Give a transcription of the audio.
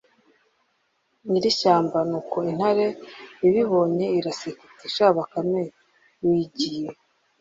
nyir ishyamba Nuko intare ibibonye iraseka iti Sha Bakame wigiye